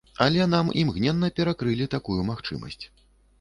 Але нам імгненна перакрылі такую магчымасць.